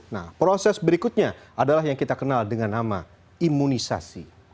nah proses berikutnya adalah yang kita kenal dengan nama imunisasi